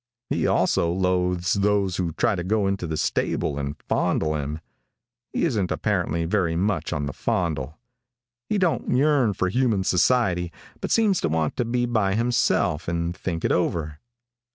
He also loathes those who try to go into the stable and fondle him. He isn't apparently very much on the fondle. He don't yearn for human society, but seems to want to be by himself and think it over.